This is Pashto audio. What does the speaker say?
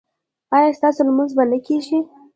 ایا ستاسو لمونځ به نه کیږي؟